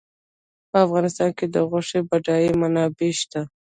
په افغانستان کې د غوښې بډایه منابع شته.